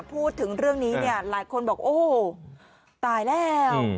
พูดถึงเรื่องนี้เนี่ยหลายคนบอกโอ้ตายแล้ว